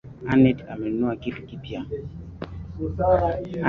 Annete amenunua kiti kipya